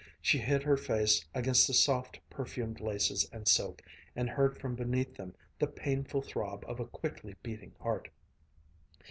She hid her face against the soft, perfumed laces and silk, and heard from beneath them the painful throb of a quickly beating heart.